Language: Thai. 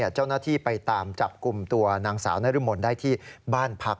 เจ้าหน้าที่ไปตามจับกลุ่มตัวนางสาวนรมนได้ที่บ้านพัก